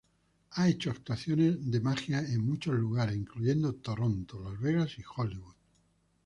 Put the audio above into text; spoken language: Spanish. Ha hecho actuaciones de magia en muchos lugares, incluyendo Toronto, Las Vegas y Hollywood.